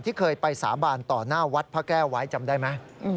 ที่เคยไปสาบานต่อหน้าวัดพระแก้วไว้จำได้ไหม